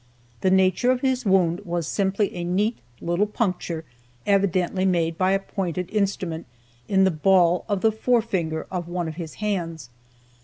The nature of his wound was simply a neat little puncture, evidently made by a pointed instrument, in the ball of the forefinger of one of his hands.